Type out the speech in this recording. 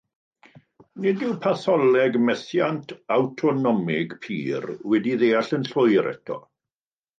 Nid yw patholeg methiant awtonomig pur wedi'i ddeall yn llwyr eto.